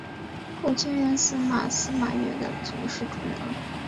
后迁任司空司马越的从事中郎。